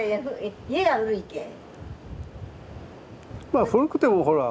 まあ古くてもほら。